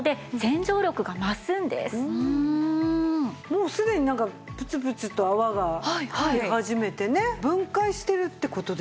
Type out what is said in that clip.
もうすでになんかプツプツと泡が出始めてね分解してるって事でしょうかね。